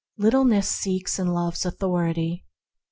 Littleness seeks and loves authority.